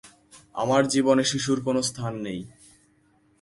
আমার জীবনে শিশুর কোনো স্থান নেই।